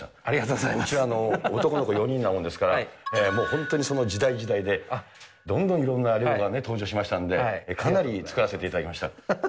うちは男の子４人なもんですから、もう本当にその時代時代で、どんどんいろんなレゴが登場しましたんで、かなり作らせていただきました。